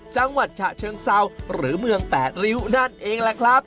จังหวัดฉะเชิงเซาหรือเมือง๘ริ้วนั่นเองแหละครับ